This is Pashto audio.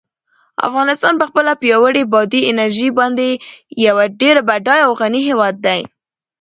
افغانستان په خپله پیاوړې بادي انرژي باندې یو ډېر بډای او غني هېواد دی.